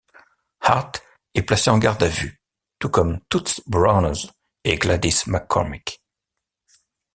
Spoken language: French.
Hart est placée en garde à vue, tout comme Toots Brawner et Gladys McCormick.